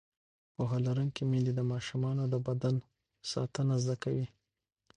پوهه لرونکې میندې د ماشومانو د بدن ساتنه زده کوي.